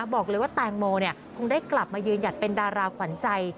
บอกเลยว่าแตงโมคงได้กลับมายืนหยัดเป็นดาราขวัญใจ